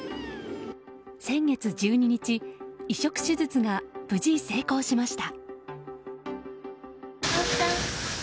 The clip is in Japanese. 先月１２日、移植手術が無事、成功しました。